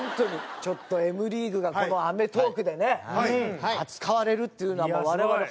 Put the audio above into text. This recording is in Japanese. ちょっとＭリーグがこの『アメトーーク』でね扱われるっていうのは我々本当うれしいですから。